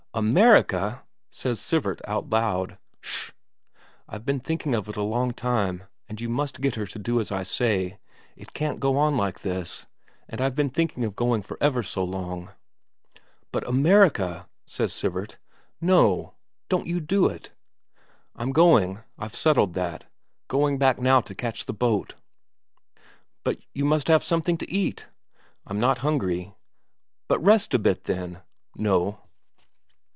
"America?" says Sivert out loud. "Sh! I've been thinking of it a long time, and you must get her to do as I say; it can't go on like this, and I've been thinking of going for ever so long." "But America!" says Sivert. "No, don't you do it." "I'm going. I've settled that. Going back now to catch the boat." "But you must have something to eat." "I'm not hungry." "But rest a bit, then?" "No."